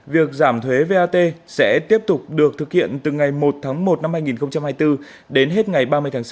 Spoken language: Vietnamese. việc giảm thuế vat sẽ tiếp tục được thực hiện từ ngày một một hai nghìn hai mươi bốn đến hết ngày ba mươi sáu hai nghìn hai mươi bốn